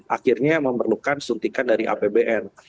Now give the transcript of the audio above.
akhirnya memerlukan suntikan dari apbn